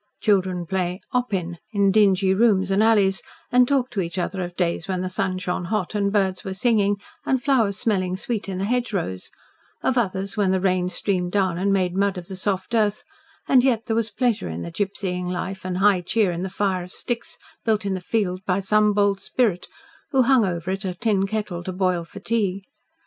Children play "'oppin" in dingy rooms and alleys, and talk to each other of days when the sun shone hot and birds were singing and flowers smelling sweet in the hedgerows; of others when the rain streamed down and made mud of the soft earth, and yet there was pleasure in the gipsying life, and high cheer in the fire of sticks built in the field by some bold spirit, who hung over it a tin kettle to boil for tea.